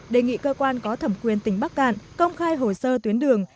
đề nghị cơ quan có thẩm quyền tỉnh bắc cạn công khai hồ sơ tuyến đường